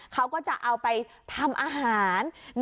เขาก็จะเอาไปทำอาหาร